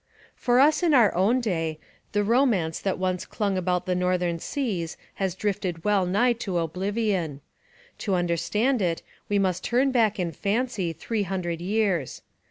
For us in our own day, the romance that once clung about the northern seas has drifted well nigh to oblivion. To understand it we must turn back in fancy three hundred years.